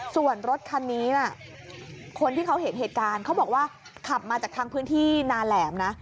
ส่วนรถคันนี้คนที่เขาเห็นเหตุการณ์เขาบอกว่าขับมาจากทางพื้นที่นาแหลมนะ